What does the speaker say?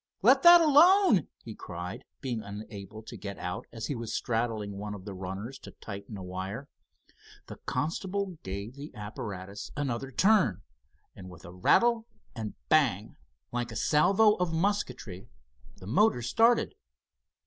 "Let that alone!" he cried, being unable to get out, as he was straddling one of the runners to tighten a wire. The constable gave the apparatus another turn, and with a rattle and bang, like a salvo of musketry, the motor started.